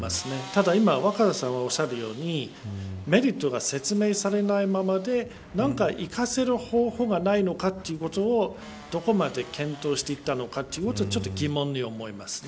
ただ、今、若狭さんがおっしゃるようにメリットが説明されないままで何か生かせる方法がないのかということを、どこまで検討していたのかということはちょっと疑問に思います。